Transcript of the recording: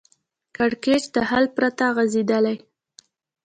کړکېچ د حل پرته غځېدلی